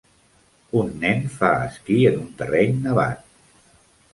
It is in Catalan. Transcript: Un nen fa esquí en un terreny nevat.